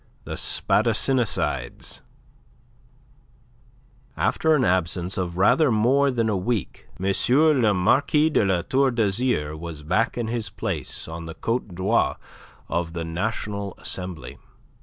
THE SPADASSINICIDES After an absence of rather more than a week, M. le Marquis de La Tour d'Azyr was back in his place on the Cote Droit of the National Assembly.